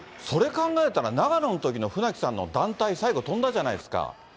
それ考えたら、長野のときの船木さんの団体、最後飛んだじゃないですか。